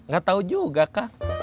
gak tau juga kang